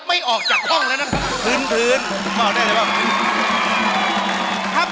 ไม่ออกจากห้องนะครับ